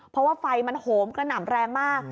เพราะว่าไฟมันโหมกระหน่ำแรงมาก